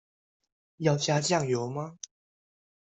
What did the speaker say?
要加醬油嗎？